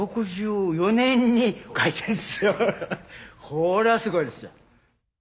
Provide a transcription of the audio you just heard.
これはすごいですよ。